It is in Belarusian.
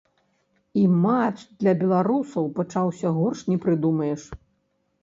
І матч для беларусаў пачаўся горш не прыдумаеш.